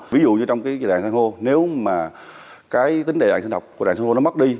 ví dụ như trong cái đàn xanh hô nếu mà cái tính đại dạng sinh học của đàn xanh hô nó mất đi